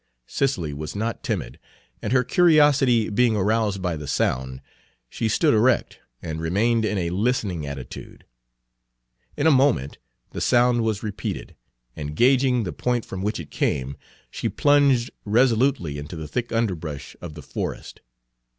Cicely was not timid, and her curiosity being aroused by the sound, she stood erect, and remained in a listening attitude. In a moment the sound was repeated, and, gauging the point from which it came, she plunged resolutely into the thick underbrush of the forest.